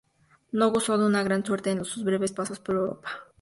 No gozó de una gran suerte en sus breves pasos por Europa.